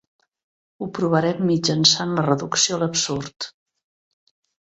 Ho provarem mitjançant la reducció a l'absurd.